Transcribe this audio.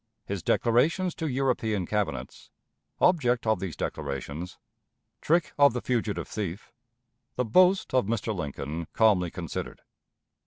His Declarations to European Cabinets. Object of these Declarations. Trick of the Fugitive Thief. The Boast of Mr. Lincoln calmly considered.